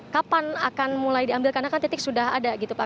kapan akan mulai diambil karena kan titik sudah ada gitu pak